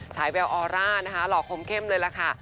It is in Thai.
ฉายแววออร่านะคะหล่อคมเข้มเลยล่ะค่ะ